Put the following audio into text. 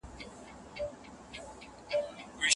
که استاد مشوره ورکړي څېړنه ښه پر مخ ځي.